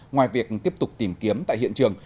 ngoài việc tiếp tục tìm kiếm tại hiện trường